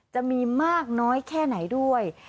จะมีมากน้อยแค่ไหนด้วย